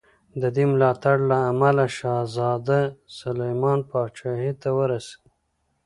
د دې ملاتړ له امله شهزاده سلیمان پاچاهي ته ورسېد.